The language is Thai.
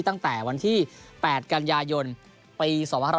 ตั้งแต่วันที่๘กันยายนปี๒๕๖๒